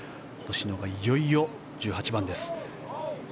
星野がいよいよ１８番です。